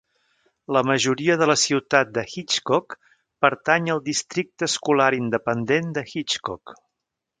La majoria de la ciutat de Hitchcock pertany al districte escolar independent de Hitchcock.